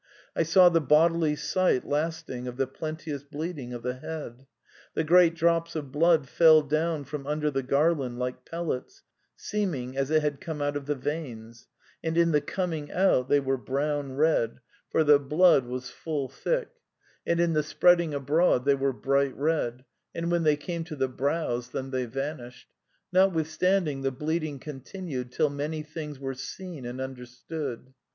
" I saw the bodily sight lasting of the plenteous bleeding of the Head. The great drops of blood fell down from under the Garland like pellets, seeming as it had come out of the veins; and in the coming out they were brown red, for the blood was 264 A DEFENCE OF IDEALISM full thick; and in the spreading ahroad they were bright red; and when they came to the brows, then they vanished ; notwith standing, the bleeding continued till many things were seen and understood.